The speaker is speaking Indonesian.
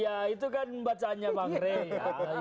ya itu kan bacaannya bang rey